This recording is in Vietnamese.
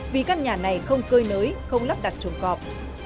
vì căn nhà này không cơi nới không lắp đặt chuồng cọp